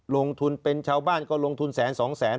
ลงทุนเป็นชาวบ้านก็ลงทุนแสนสองแสน